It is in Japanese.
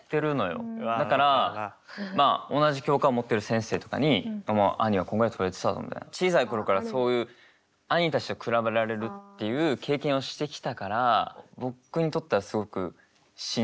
だからまあ同じ教科を持ってる先生とかに「兄はこんくらい取れてたぞ」みたいな小さい頃からそういう兄たちと比べられるっていう経験をしてきたから僕にとってはすごくしんどい。